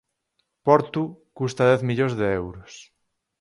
Portu custa dez millóns de euros.